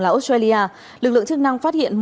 là australia lực lượng chức năng phát hiện